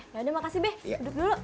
ya yaudah makasih be duduk dulu